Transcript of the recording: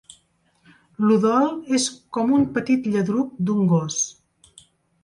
L'udol és com un "petit lladruc" d'un gos.